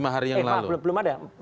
eh maaf belum ada